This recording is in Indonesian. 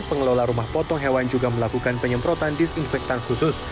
pengelola rumah potong hewan juga melakukan penyemprotan disinfektan khusus